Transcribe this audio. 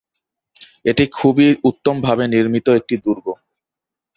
এটি খুবই উত্তম ভাবে নির্মিত একটি দুর্গ।